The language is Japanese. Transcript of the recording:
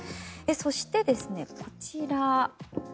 そして、こちら。